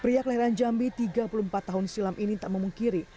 pria kelahiran jambi tiga puluh empat tahun silam ini tak memungkiri